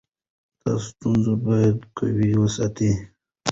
دا ستون باید قوي وساتو.